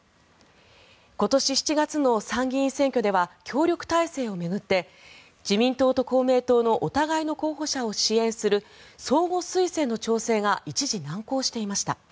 今年７月の参議院選挙では協力体制を巡って自民党と公明党のお互いの候補者を支援する相互推薦の調整が一時難航していました。